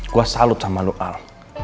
gue salut sama lu al